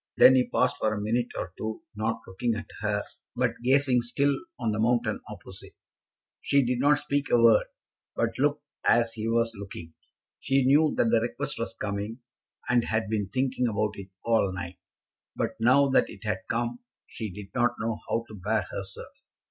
Then he paused for a minute or two, not looking at her, but gazing still on the mountain opposite. She did not speak a word, but looked as he was looking. She knew that the request was coming, and had been thinking about it all night; but now that it had come she did not know how to bear herself.